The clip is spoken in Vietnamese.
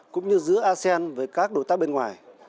cũng như giữa asean với các đối tác bên ngoài